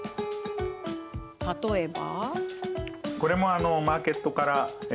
例えば。